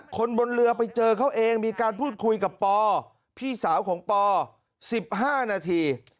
คนบนเรือไปเจอเขาเองมีการพูดคุยกับปอพี่สาวของป๑๕นาที